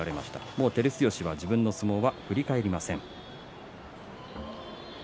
もう照強は自分の相撲は振り返りません。